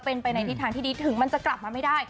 เป็นไปในทิศทางที่ดีถึงมันจะกลับมาไม่ได้